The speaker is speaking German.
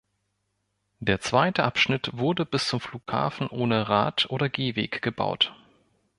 Der zweite Abschnitt wurde bis zum Flughafen ohne Rad- und Gehweg gebaut.